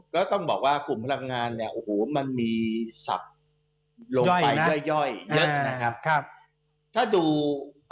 ก็ต้องบอกว่ากลุ่มพลังงารมีสับลงไปย่อยเยอะ